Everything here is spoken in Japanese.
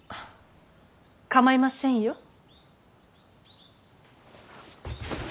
構いませんよ。